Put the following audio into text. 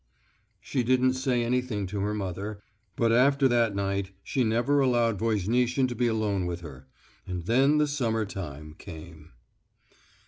She didn't say anything to her mother, but after that night she never allowed Voznitsin to be alone with her. And then the summer time came....